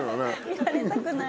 見られたくない。